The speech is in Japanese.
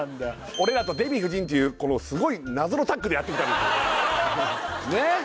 俺らとデヴィ夫人っていう謎のタッグでやってきたんです